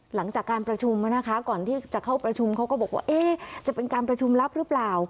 หลังจากการประชุมนะคะก่อนที่จะเข้าประชุมเขาก็บอกว่าจะเป็นการประชุมลับหรือเปล่า